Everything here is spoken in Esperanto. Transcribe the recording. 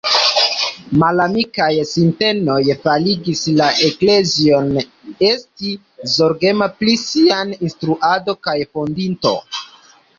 Malamikaj sintenoj farigis la eklezion esti zorgema pri sia instruado kaj fondinto.